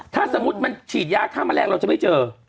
ถ้าสมมุติมันฉีดยาฆ่าแมลงเราจะไม่เจอ